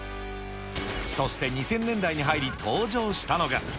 そして２０００年代に入り登場したのが。